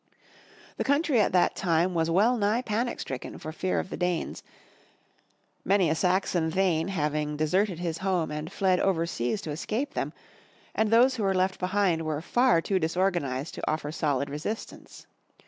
The coimtry at that time was well nigh panic stricken for fear of the Danes, many a Saxon thegn having deserted his home and fled over seas to escape them, and those who were left behind were far too dis organized to offer solid resistance.